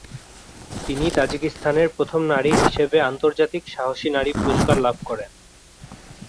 তিনি তাজিকিস্তানের প্রথম নারী হিসেবে আন্তর্জাতিক সাহসী নারী পুরস্কার লাভ করেন।